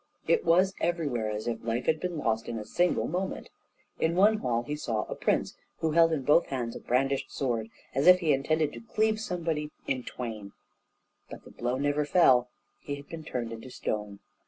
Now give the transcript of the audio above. It was everywhere as if life had been lost in a single moment. In one hall he saw a prince, who held in both hands a brandished sword, as if he intended to cleave somebody in twain; but the blow never fell: he had been turned into stone.